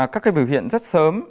các biểu hiện rất sớm